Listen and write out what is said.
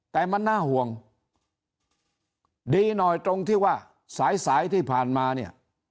แต่มันน่าห่วงดีหน่อยตรงที่ว่าสายสายที่ผ่านมาเนี่ย